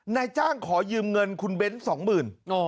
นายจ้างขอยืมเงินคุณเบ้น๒๐๐๐บาท